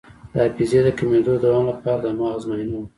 د حافظې د کمیدو د دوام لپاره د مغز معاینه وکړئ